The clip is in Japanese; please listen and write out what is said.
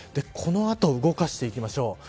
この後、動かしていきましょう。